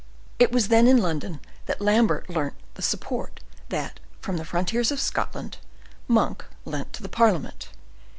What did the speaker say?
It was then in London that Lambert learnt the support that, from the frontiers of Scotland, Monk lent to the parliament.